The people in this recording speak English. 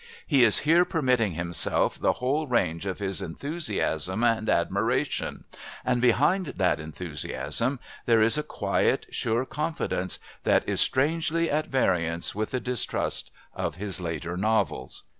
He is here permitting himself the whole range of his enthusiasm and admiration, and behind that enthusiasm there is a quiet, sure confidence that is strangely at variance with the distrust of his later novels.